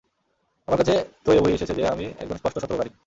আমার কাছে তো এ ওহী এসেছে যে, আমি একজন স্পষ্ট সতর্ককারী।